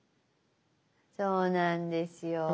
そうなんですよ。